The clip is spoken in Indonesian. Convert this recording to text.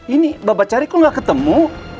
ini bapak cari kok gak ketemu